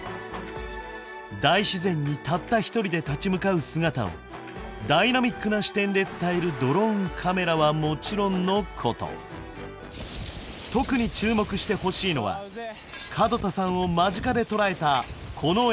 大自然にたった一人で立ち向かう姿をダイナミックな視点で伝えるドローンカメラはもちろんのこと特に注目してほしいのは門田さんを間近で捉えたこの映像。